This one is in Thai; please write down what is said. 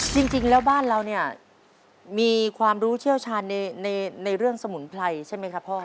จริงแล้วบ้านเราเนี่ยมีความรู้เชี่ยวชาญในเรื่องสมุนไพรใช่ไหมครับพ่อ